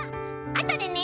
あとでね」。